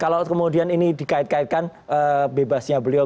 kalau kemudian ini dikait kaitkan bebasnya beliau